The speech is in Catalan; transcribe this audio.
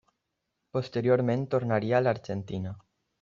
Posteriorment tornaria a l'Argentina.